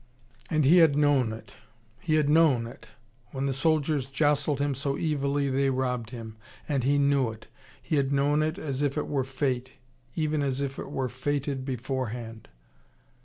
And he had known it. He had known it. When the soldiers jostled him so evilly they robbed him. And he knew it. He had known it as if it were fate. Even as if it were fated beforehand.